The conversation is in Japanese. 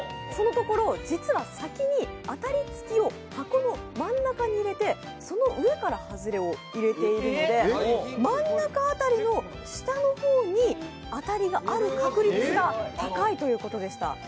そのところ、実は先に当たりつきを箱の真ん中に入れて、その上から外れを入れているので真ん中あたりの下の方にあたりがある確率が高いということでした。